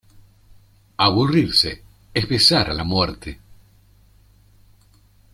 Aburrirse, es besar a la muerte.